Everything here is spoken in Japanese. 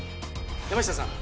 山下さん